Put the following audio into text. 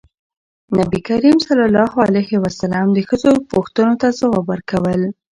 نبي ﷺ د ښځو پوښتنو ته ځواب ورکول.